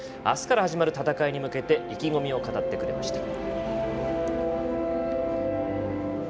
あすから始まる戦いに向けて意気込みを語ってくれました。